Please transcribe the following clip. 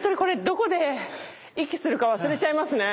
どこで息するか忘れちゃいますね。